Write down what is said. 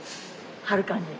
はるかに。